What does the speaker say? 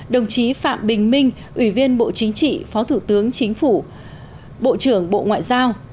đồng chí phạm bình minh ủy viên bộ chính trị phó thủ tướng chính phủ bộ trưởng bộ ngoại giao